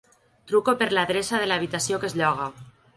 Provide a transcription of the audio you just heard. Truco per l'adreça de l'habitació que es lloga.